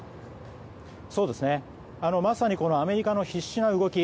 まさにアメリカの必死な動き